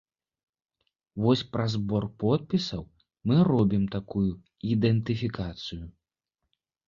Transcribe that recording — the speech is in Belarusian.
Вось праз збор подпісаў мы робім такую ідэнтыфікацыю.